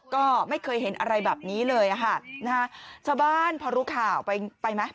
ก็ไม่เคยเห็นอะไรแบบนี้เลยอ่ะค่ะนะฮะชาวบ้านพอรู้ข่าวไปไปไหม